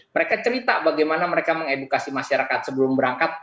mereka cerita bagaimana mereka mengedukasi masyarakat sebelum berangkat